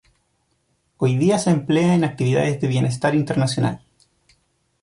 Hoy día se emplea en actividades de bienestar internacional.